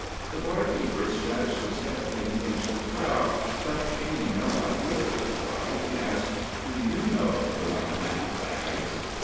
The barkeeper scratched his head and pinched his brow, but, gaining no idea thereby, he asked: "Do you know the right man, Baggs?"